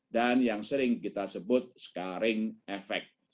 dan yang sering kita sebut scarring effect